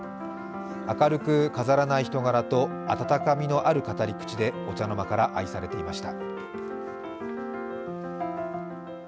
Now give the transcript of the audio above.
明るく飾らない人柄と温かみのある語り口で、お茶の間から愛されていました。